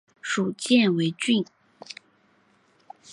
属犍为郡。